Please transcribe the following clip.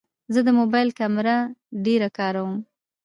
زه د موبایل کیمره ډېره کاروم.